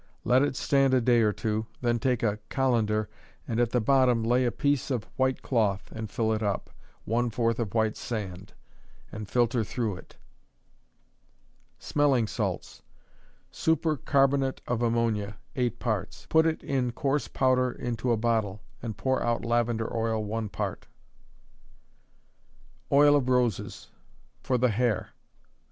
Let it stand a day or two, then take a cullender and at the bottom lay a piece of white cloth, and fill it up, one fourth of white sand, and filter through it. Smelling Salts. Super carbonate of ammonia, eight parts; put it in coarse powder into a bottle, and pour out lavender oil one part. _Oil of Roses for the Hair.